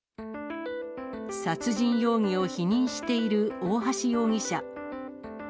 殺人容疑を否認している大橋容疑者。